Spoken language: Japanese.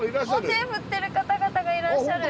手振ってる方々がいらっしゃる。